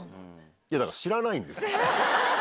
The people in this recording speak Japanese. いや、だから知らないんです。